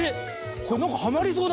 これなんかはまりそうだね。